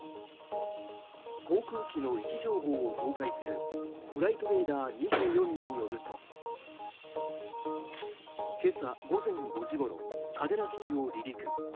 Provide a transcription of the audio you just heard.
航空機の位置情報を公開するフライトレーダー２４によると今朝午前５時ごろ嘉手納基地を離陸。